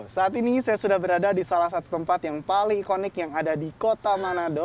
saat ini saya sudah berada di salah satu tempat yang paling ikonik yang ada di kota manado